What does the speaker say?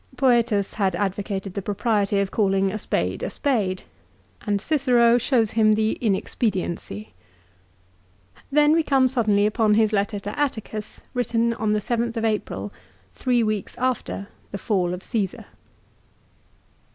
Foetus had advocated the propriety of calling a spade a spade, and 1 Ad Div. vii. 30. 206 LIFE OF CICERO. Cicero shows him the inexpediency. Then we come sud denly upon his letter to Atticus, written on the 7th April, three weeks after the fall of Caesar.